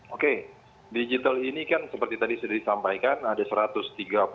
oke digital ini kan seperti tadi sudah disampaikan ada satu ratus tiga puluh